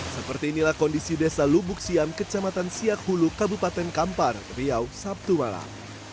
seperti inilah kondisi desa lubuk siam kecamatan siak hulu kabupaten kampar riau sabtu malam